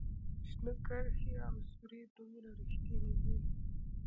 شنه کرښې او سورې دومره ریښتیني دي